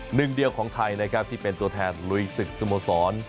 หนึ่งเดียวของไทยนะครับที่เป็นตัวแทนลุยศึกสโมสร